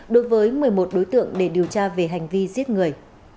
đối với một mươi một đối tượng để điều tra về hành vi giết người